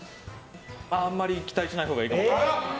あんまり期待しないほうがいいかもしれないです。